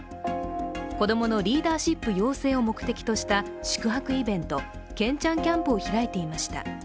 子供のリーダーシップ養成を目的とした宿泊イベントけんちゃんキャンプを開いていました。